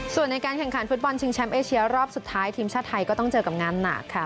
ส่วนในการแข่งขันฟุตบอลชิงแชมป์เอเชียรอบสุดท้ายทีมชาติไทยก็ต้องเจอกับงานหนักค่ะ